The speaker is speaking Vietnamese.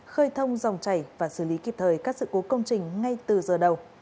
khơi thông dòng chảy và xử lý kịp thời các sự cố công trình ngay từ giờ đầu